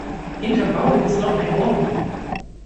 Hinterm Baum ist noch ein Moorhuhn!